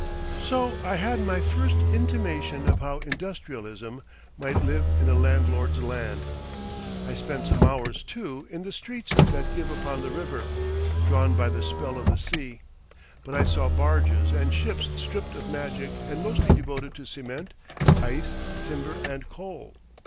So I had my first intimation of how industrialism must live in a landlord's land. I spent some hours, too, in the streets that give upon the river, drawn by the spell of the sea. But I saw barges and ships stripped of magic and mostly devoted to cement, ice, timber, and coal.